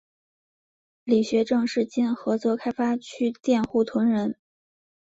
李学政是今菏泽开发区佃户屯人。